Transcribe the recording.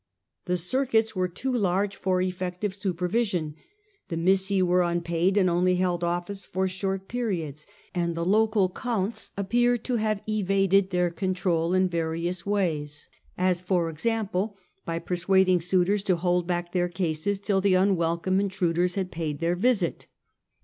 The circuits were too large for effective 188 THE DAWN OF MEDIAEVAL EUROPE supervision ; the missi were unpaid and only held office for short periods ; and the local counts appear to have evaded their control in various ways — as, for example, by persuading suitors to hold back their cases till the unwelcome intruders had paid their visit.